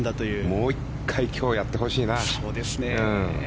もう１回今日やってほしいな。